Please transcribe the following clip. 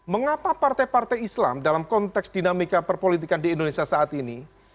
mengapa partai partai islam dalam konteks dinamika perpolitikan di indonesia saat ini